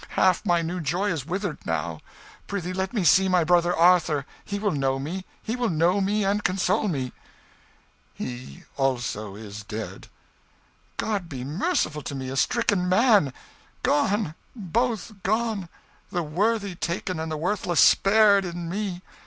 Half my new joy is withered now. Prithee let me see my brother Arthur he will know me; he will know me and console me." "He, also, is dead." "God be merciful to me, a stricken man! Gone, both gone the worthy taken and the worthless spared, in me!